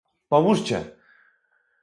Pomóżcie!"